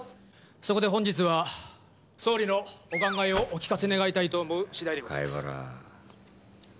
そこで本日は総理のお考えをお聞かせ願いたいと思う次第で。